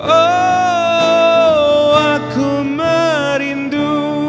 oh aku merindu